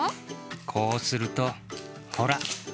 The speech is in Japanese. こうするとほら！